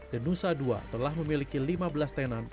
denusa ii telah memiliki lima belas tenan